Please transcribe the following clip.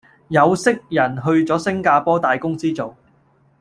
有識人去左星加坡大公司做